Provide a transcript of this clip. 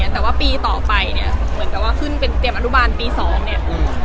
แต่ว่าปีต่อไปเนี่ยเหมือนกับว่าขึ้นเป็นเตรียมอนุบาลปีสองเนี่ย